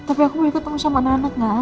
tapi aku mau ikut sama anak anak gak